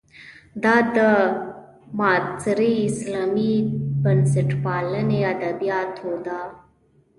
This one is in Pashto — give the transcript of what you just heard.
دا د معاصرې اسلامي بنسټپالنې ادبیاتو ده.